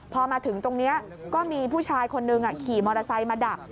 พอมาถึงตรงนี้ก็มีผู้ชายคนนึงขี่มอเตอร์ไซค์มาดัก